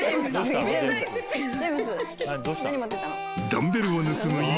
［ダンベルを盗む犬］